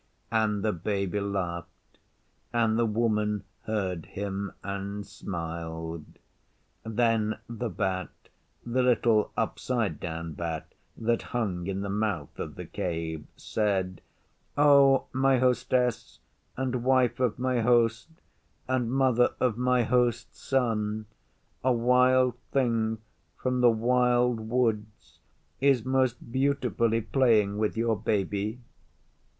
And the Baby laughed; and the Woman heard him and smiled. Then the Bat the little upside down bat that hung in the mouth of the Cave said, 'O my Hostess and Wife of my Host and Mother of my Host's Son, a Wild Thing from the Wild Woods is most beautifully playing with your Baby.